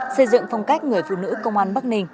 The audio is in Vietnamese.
xây dựng phong cách người phụ nữ công an bắc ninh